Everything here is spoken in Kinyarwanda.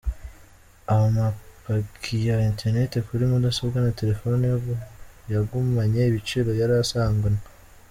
Amapaki ya internet kuri mudasobwa na telefoni yo yagumanye ibiciro yari asanganwe.